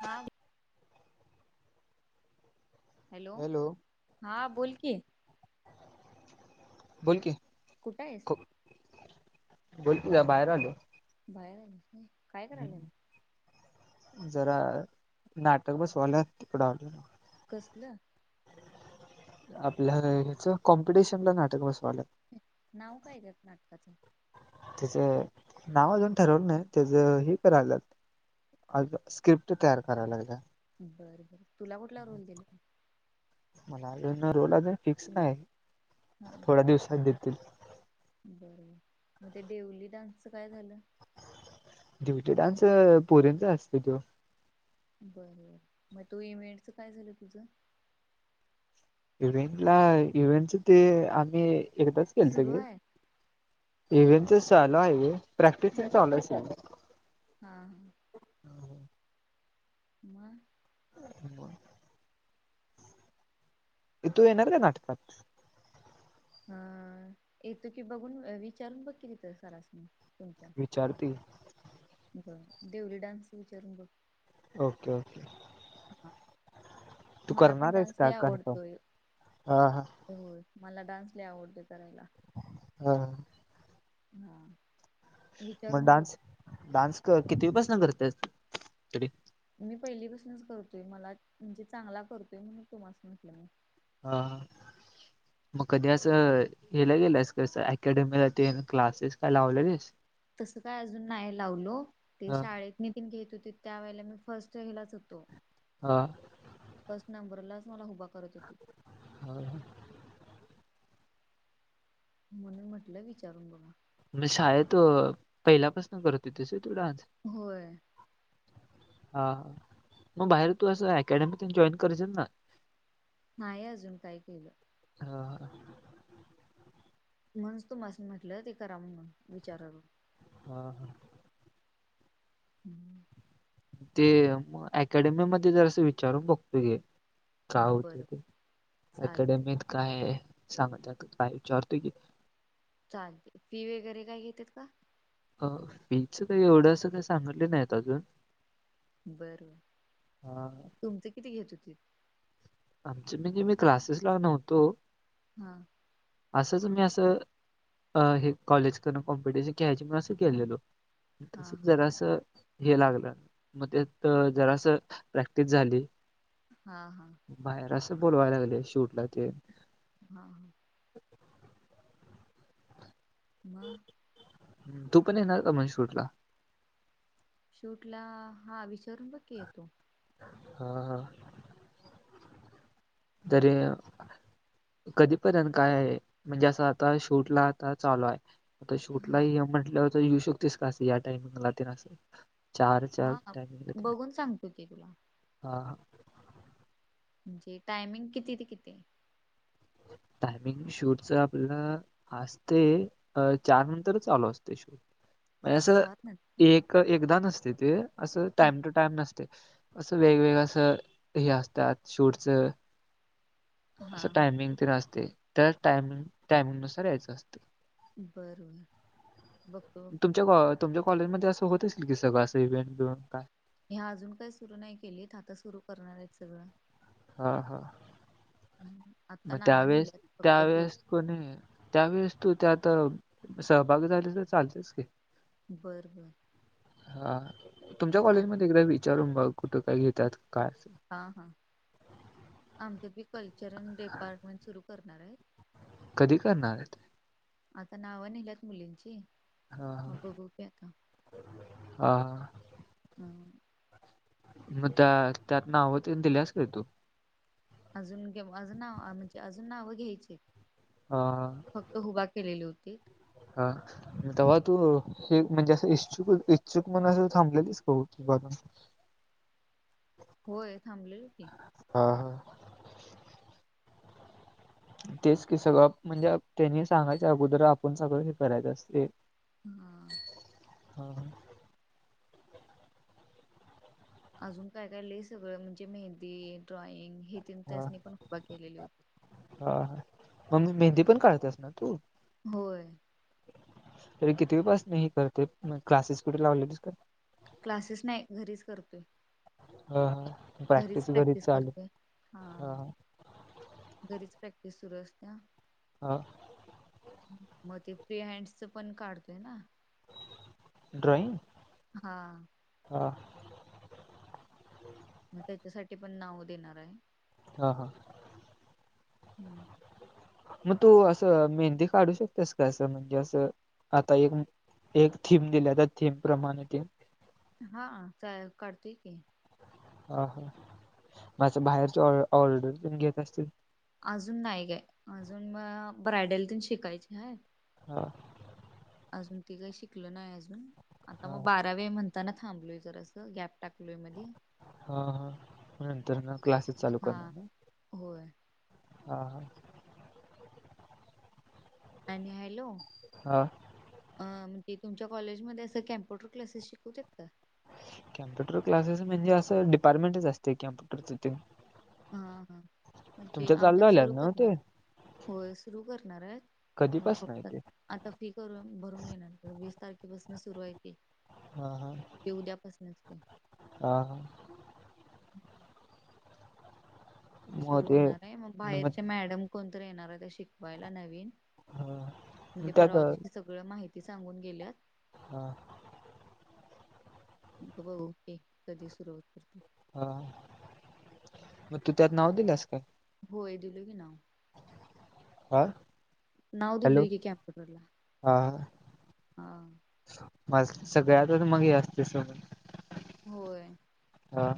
हा हॅलो हां बोल की बोल की कुठं आहेस? बोल की जरा बाहेर आलोय. बाहेर आलाय काय? करायला जरा नाटक बसवालोय तिकड आलोय. कसलं? आपल्या ह्याच कॉम्पिटिशनला नाटक बसवालोय. नाव काय त्यात नाटकाचं? त्याच नाव अजून ठरवलं नाही त्याचं हे करायलत आज स्क्रिप्ट तयार कराया लागल्या बर बरं तुला कुठला रोन दिलाय? मला अजून रोल अजून फिक्स नाय. हा. थोड्या दिवसात देतील. बर म ते डेवली डान्सचं काय झालं? दिवटी डान्स पोरींचा असत त्यो. बर म तू इव्हेटच काय झालं तुझं? इव्हेंट ला इव्हेंटच ते आम्ही एकदाच सुरू केलतं ग आहे इव्हेंटच चालू आहे प्रॅक्टिसच चालूये सध्या हा हा. मग ब [inaudible] ऐ तू येणार का नाटकात? हा अ येतो की बघून विचारून बघ की तिथं सरासनी तुमच्या? विचारते. बर देवली डान्स विचारून बघ. Okay okay. हा तू मला पण करणार आहेस डान्स लय का कन्फर्म आवडतोय. हा हा होय मला डान्स लय आवडते करायला. हा. हा. म विचारून बघ डान्स डान्स क-कितवि पासन करतेस तरी? मी पहिली पासूनच करतोय मला म्हणजे चांगला करतोय म्हणून तुम्हाला म्हटलं मी. हा मग कधी अस हेला गेलंस कस अकॅडमीला ते क्लासेस काय लावलेलेस. तसं काय अजून नाही लावलो ते हा शाळेत नितीन घेत होते त्या वेळेला मी फर्स्ट ह्यालाच होतो. आ. फस्ट नंबर लाच मला उभा करत होती. हो [inaudible] म्हणून म्हटलं विचारून बघ. म्हणजे शाळेत अ पहिल्यापासून करत होतीस तू डान्स? होय हा मग बाहेर तू असं अकॅडमीतून जॉईन करायचस ना. नाही अजून काय केलं. हा. म्हनुनच तुमास्नी म्हटलं ते कराव म्हणून विचाराव. हा. हम्म. ते मग अकॅडमी मध्ये जर असं विचारून बघतो घे. काय हा होते बरं ते चालते अकॅडमीत. काय सांगतात काय विचारतोय की मी. चालतंय फी वगैरे काय घेतात का. अ फी च काही एवढं अस काही सांगले नाही अजून. बर अ, तुमचं किती घेत होतीत. आमचे म्हणजे मी क्लासेस ला नव्हतो. हा, असंच मी असं. अ हे कॉलेज करून कॉम्पिटिशन ख्याळायचे म्हणून असं गेलेलो हा तस हा जरासं. हे लागलं मग त्यात जरास प्रॅक्टिस झाली. हा हा, बाहेर असं बोलवायला लागले शूटला तेन. हा हा, म, तू पण येणार का माझ्या शूट ला. शूट ला हा विचारून बकी येतो. हा हा, हम्म. तरी. कधीपर्यंत काय आहे म्हणजे असं आता शूट ला आता चालू हाय. आता शूटला हा ये म्हंटलंवर तर येऊ शकतेस का असं या टाइमिंगला ते आसं. चार चार हा ट [unintelligible] बघून सांगतो की तुला हा ह म्हणजे टायमिंग किती ते किती हाय. टायमिंग शूटच आपलं. असते अ चार नंतरच चालू असते शूट. असं चार नंतर एक एकदा नसते ते असं हा टाइम टू टाइम नसते. त असं वेगवेगळ अस हे असतात शूटच. हा असं हा टायमिंग तेन असते त्या टायमिंग टायमिंग नुसार यायचं असतं. बर बर बघतो. बघतो. तुमच्या कॉ तुमच्या कॉलेजमध्ये असंत असल की सगंळ असं इव्हेंट बिवं काय. ह्या अजून काय सुरू नाही केलीत आता सुरू करणार आहेत सगळं. हा हा, आता मग नाव त्यावेेळेस निघाल्यात फक्त बोल. त्यावेेळेस कोणी त्यावेेळेस तू त्यात आता सहभाग झाले तर चालतेस की. बरं बरं. हा तुमच्या कॉलेजमध्ये एकदा विचारून बघ कुठं काय घेतात काय अस. हा हा, आमच कल्चरल डिपार्टमेंट सुरू करणार आहेत. कधी करणार आहेत. आता नावं निहिल्यात मुलींची. हा मग बघू की आता हा हा हा. मग त्या त्यात नाव होते दिलेस का तू. अजून गे अजून नाव म्हणजे अजून नावं घ्यायची हाईत. हा फक्त हुबा केलेले होते. हा तवा तू हे म्हणजे असं इच्छुक, इच्छुक म्हण अस थांबलेलेच का ह [unintelligible] होय थांबलेलो की. हा हा. तेच की सगळं म्हणजे त्यांनी सांगायच्या अगोदर आपण सगळं हे करायचं असते. हा. हा.. अजून काय, काय ले सगळं म्हणजे मेहंदी, ड्रॉइंग हे तीन तासनी पण खूप केलेली होती. हा हा मग मेहंदी पण काढतेस ना तू? होय. तर कितीवी पासन हे करते मग क्लासेस कुठे लावले तस? क्लासेस नाही घरीच करतोय. हा हा घरीच प्रॅक्टिस चालू करतोय हा. घरीच प्रॅक्टिस सुरू असतेया. हा. मग ते फ्री हँडच पण काढतेय ना. ड्रॉईंग? हा. हा. मग त्याच्यासाठी पण नाव देणार आहे. हा हा. हम्म. मग तू असं मेहंदी काढू शकतेस का असं म्हणजे असं आता एक एक थीम दिल्या त्या थीम प्रमाणे ते. हा चालेल कढतेय की. ह हा म अस बाहेरचे ऑ ऑर्डर पण घेत असतील? अजून नाही काय अजून म ब्रायडल शिकायची आहे. हा. अजून ते काही शिकल नाही अजून आता हा मग बारा व म्हणताना थांबलोय जरा असं गॅप टाकलोय मधी हा हा नंतर ना क्लासेस चालू हा कर. होय हा हा. आणि हॅलो. हा. अ म्हणजे तुमच्या कॉलेजमध्ये असं कॅम्प्युटर क्लासेस शिकवू शकता? कॅम्पुटर क्लासेस म्हणजे असं डिपार्टमेंटच असते कम च [inaudible] हा हा म्हणजे चालू आमच्यात झाल्यात सुरू ना ते करणार होय सुरू करणार आहेत मग कधीपासून आहे फक्तत ते आता फी करून भरून घेणार वीस तारखेपासून सुरू आहे ते. हा हा उद्यापासूनच ते हा हा. मग सुरू ते होणार आहे मग बाहेरचे मॅडम कोणतरी येणार आहे ते शिकवायला नवीन. हा मग म्हणजे त्यात परवा दिवशी सगळ माहिती सांगून गेल्यात. हा... बघु के कधी सुरुवात होते. हा म तू त्यात नाव दिल्यास काय? होय दिलोय की नाव. आ नाव दिलोय की कॅम्प्युटरला हा. माझ सगळ्यातच म हे आसतीस म्हण होय. हा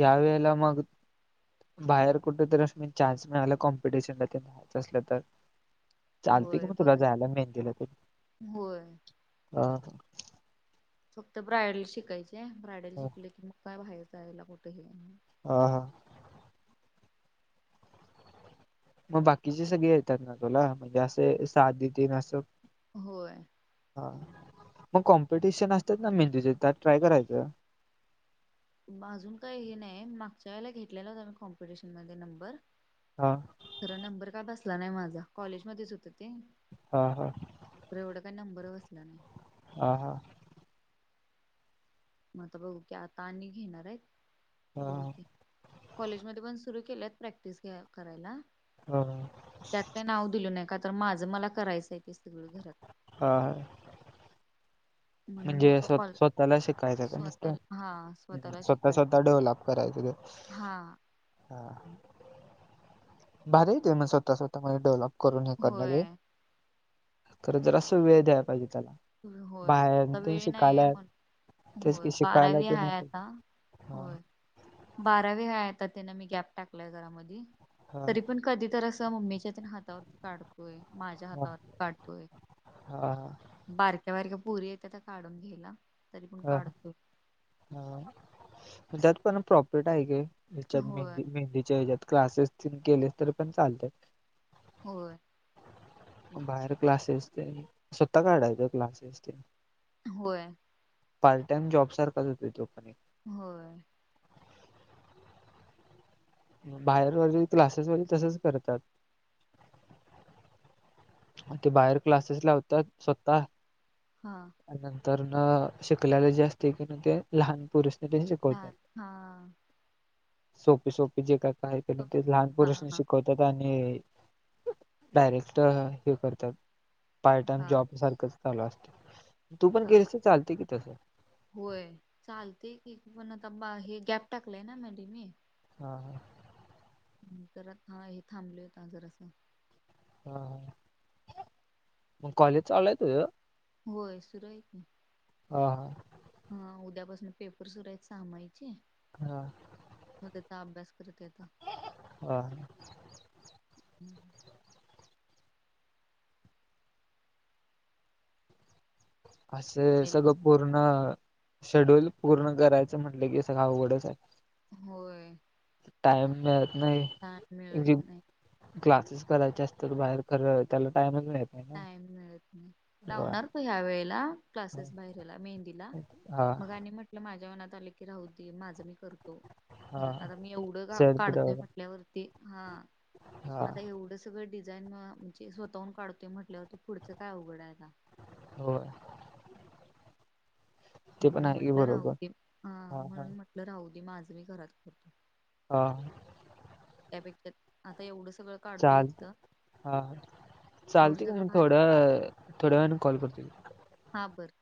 या वेळेला मगं बाहेर कुठ तर आस म चान्स मिळाला कॉम्पिटिशनला तेन जायचं आसलं तर चालतय की होय म तुला बघायच जायला मेहंदीला तेन, होय अ फक्त ब्रायडल शिकायचे आहे ब्रायडल शिकल की म काय बाहेर जायला कुठ हे आ हा म बाकीची सगळी येतात ना तुला म्हणजे आसे साधी तेन आस? होय. हा मग कॉम्पिटिशन आसत्यात ना मेहंदीचे त्यात ट्राय करायचं. म आजून काय हे नाहीये मागच्या वेळेला घेतल्यालो त्यामुळं कॉम्पिटिशन मध्ये नंबर हा. खर नंबर काय बसला नाही माझा कॉलेज मध्येच होत ते. हा हा, खरं एवढं काय नंबर बसला नाही. हा हा, म आता बघू की आता आणि घेणार आहेत बघू हा की कॉलेजमध्ये पण सुरू केल्यात प्रॅक्टिस घ्या करायला हा हा, त्यात काय नाव दिलो नाही का तर माझं मला करायचं आहे ते सगळं घरात. हा. म्हणून मी म्हणजे क कॉल स्वतः स्वतःला शिकायचं का नुसतं स्वतः हा स्वतःला स्वतः शिकायचं स्वतः डेव्हलप करायचं ते हा. भारी आहे की म स्वतः स्वतः मधे डेव्हलप करून हे करण बी होय खरं जरास वेळ दया पाहिजे त्याला. होय. बाहेर आता ते वेळ नाहीये शिकायला म्हण तेच होय की शिकायला बारावी ते नाही हाय आता पाहिजे. हा होय. बारावी हाय आता तेन मी गॅप टाकलाय जरा मधी हा तरी पण कधीतर आसं मम्मीच्या तेन हातावरती काढतोय माझ्या हा हातावर काढतोय. हा बारक्या बारक्या पोरी येत्याता काढून घ्यायला तरी पण हा काढतोय. हा म त्यात पण प्रॉफिट आहे की. हेच्यात होय मेहंदी मेहंदीच्या हेज्यात क्लासेस तेन केले तर पण चालतय. होय. बाहेर क्लासेस तेन स्वतः काढायचं क्लासेस तेन होय. पार्ट टाइम जॉबसारखाच होतोय तो पण एक. होय. बाहेर [unintelligible] क्लासेस मध्ये तसच करतात ते बाहेर क्लासेस लावत्यात स्वतः हा. नंतर न शिकल्याला जे असते की न ते लहान पुरुष हा शिकवतात हा सोपी, सोपी जे का काही तरी लहान हा पोरास हा शिकवतात आणि डायरेक्ट हे करतात पार्ट टाईम हा जॉब सारखं चालू असते. तू पण हा गेलतीस चालते तिथ होय चालते की पण आता बाहे गॅप टाकलंय ना मधे मी. हा ह. करतना हा हे थांबले होत आजर असं. हा हा. मग कॉलेज चाल लयत तुझ? होय सुरळीत आहे. हा हा. हा उद्यापासून पेपर सुर आहेत सहामायचे. हा. मगचा अभ्यास करतेय आता. हा. हम्म. अस हॅलो. सगळं पूर्ण शेड्यूल पूर्ण करायचं म्हटलं की सगळ आवघडच आहे. होय. टाईम मिळत नाही टाइम मिळत नाही क्लासेस करायचे असतात बाहेर तर त्याले टाईमच नाही. ना. टाईम मिळत नाही. लावणार पण ह्या वेळेला क्लासेस बाहेरला मेहंदीला हा मग आणि म्हट माझ्या मनात आले की राहू दे माझं मी करतो हा घरात आता मी एवढं सेल्फ काढतोय डेव्हलप म्हटल्यावरती ते हा हा आता एवढं सगळं डिझाईन म्हणजे स्वतःहून काढतो ते म्हटल्या वरती पुढचं काय अवघड आहे आता. होय. ते पण म्हणून आहे की म्हटलं राहु बरोबर दे ह हा हा म्हणून म्हटलं राहु दे माझ मी घरात करते. हा. त्यापेक्षा आता एवढं सगळं काढतोय चालते इथं हा एवढं चालते का सगळं मी भारी थोड्या, थोड्या वेळने कॉल करतो. हा बर.